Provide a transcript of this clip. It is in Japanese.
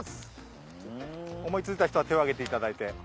いついた人は手を挙げていただいて。